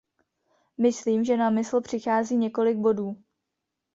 Myslím, že na mysl přichází několik bodů.